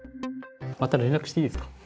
また連絡していいですか。